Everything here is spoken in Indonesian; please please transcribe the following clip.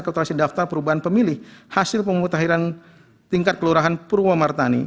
kalkulasi daftar perubahan pemilih hasil pemutahiran tingkat kelurahan purwomartani